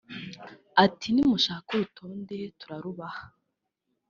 Ati “Nimushaka urutonde turarubaha